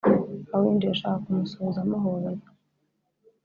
aho yinjiye ashaka kumusuhuza amuhobeye